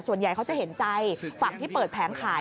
ส่วนใหญ่เขาจะเห็นใจฝั่งที่เปิดแผงขาย